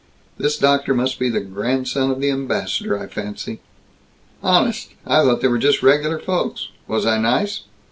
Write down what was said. "This doctor must be the grandson of the ambassador, I fancy." "Honest? I thought they were just regular folks. Was I nice?"